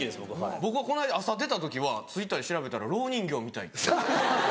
僕はこの間朝出た時はＴｗｉｔｔｅｒで調べたら「ろう人形みたい」って。